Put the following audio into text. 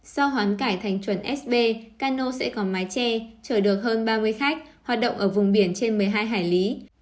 sau hoán cải thành chuẩn sb cano sẽ có mái che chở được hơn ba mươi khách hoạt động ở vùng biển trên một mươi hai hải lý